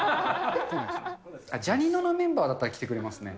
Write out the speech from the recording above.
ジャにののメンバーだったら来てくれますね。